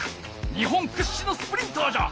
日本くっしのスプリンターじゃ。